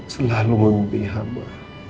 selalu mimpi amba